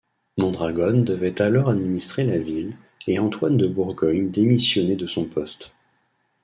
Mondragón devait alors administrer la ville, et Antoine de Bourgogne démissionner de son poste.